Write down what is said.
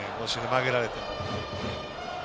曲げられても。